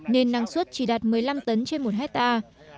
nên năng suất chỉ đạt một mươi năm tấn trên một hectare